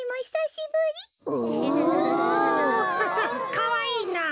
かわいいな。